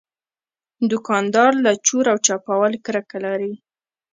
دوکاندار له چور او چپاول کرکه لري.